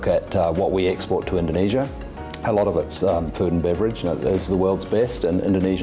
saya tahu bahwa orang indonesia sangat menghargai terutama orang indonesia yang berpengaruh di indonesia